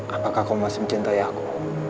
apakah kau masih mencintai aku